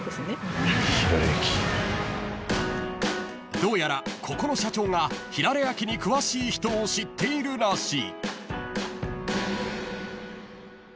［どうやらここの社長がひらら焼きに詳しい人を知っているらしい］